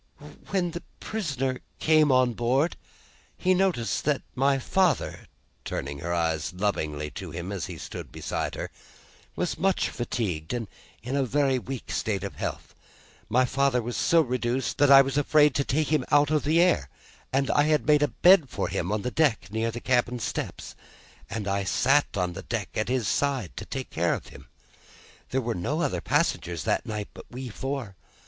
"When the prisoner came on board, he noticed that my father," turning her eyes lovingly to him as he stood beside her, "was much fatigued and in a very weak state of health. My father was so reduced that I was afraid to take him out of the air, and I had made a bed for him on the deck near the cabin steps, and I sat on the deck at his side to take care of him. There were no other passengers that night, but we four.